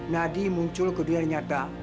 nadi muncul ke dunianya